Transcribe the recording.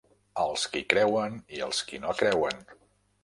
Els qui creuen i els qui no creuen.